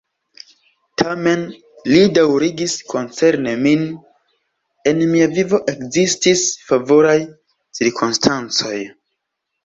Tamen, li daŭrigis, koncerne min, en mia vivo ekzistis favoraj cirkonstancoj.